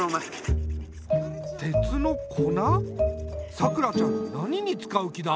さくらちゃん何に使う気だ？